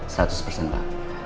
satus persen pak